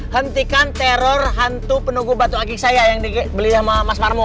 hentikan teror hantu penunggu batu akik saya yang dibeli sama mas parmo